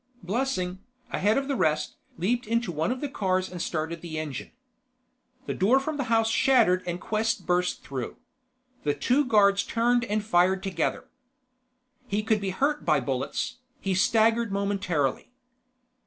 Blessing, ahead of the rest, leaped into one of the cars and started the engine. The door from the house shattered and Quest burst through. The two guards turned and fired together. He could be hurt by bullets. He was staggered momentarily.